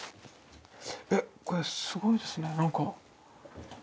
えっこれすごいですねなんか。